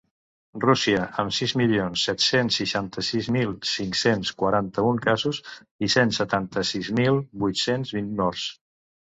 Rússia, amb sis milions set-cents seixanta-sis mil cinc-cents quaranta-un casos i cent setanta-sis mil vuit-cents vint morts.